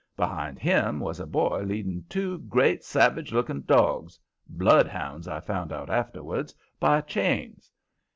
Behind him was a boy leading two great, savage looking dogs bloodhounds, I found out afterwards by chains.